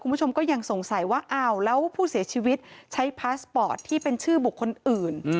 คุณผู้ชมก็ยังสงสัยว่าอ้าวแล้วผู้เสียชีวิตใช้พาสปอร์ตที่เป็นชื่อบุคคลอื่น